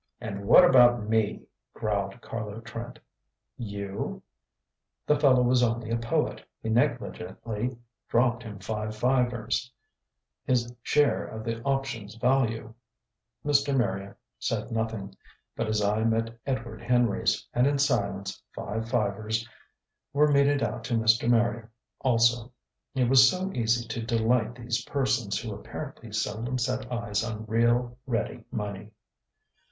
"And what about me?" growled Carlo Trent. "You?" The fellow was only a poet. He negligently dropped him five fivers, his share of the option's value. Mr. Marrier said nothing, but his eye met Edward Henry's, and in silence five fivers were meted out to Mr. Marrier also.... It was so easy to delight these persons who apparently seldom set eyes on real ready money.